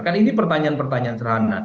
kan ini pertanyaan pertanyaan serhana